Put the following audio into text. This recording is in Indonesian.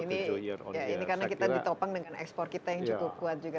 ini karena kita ditopang dengan ekspor kita yang cukup kuat juga